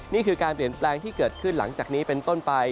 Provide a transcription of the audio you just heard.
นี่คือการเปลี่ยนแปลงที่เกิดขึ้นหลังจากนี้เป็นต้นไป